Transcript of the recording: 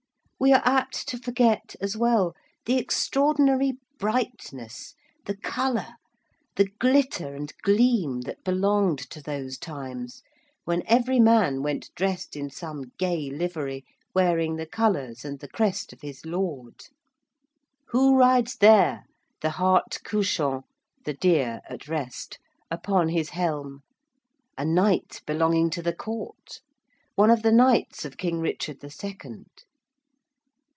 We are apt to forget, as well, the extraordinary brightness, the colour, the glitter and gleam that belonged to those times when every man went dressed in some gay livery wearing the colours and the crest of his lord. Who rides there, the hart couchant the deer at rest upon his helm? A Knight belonging to the Court: one of the Knights of King Richard the Second.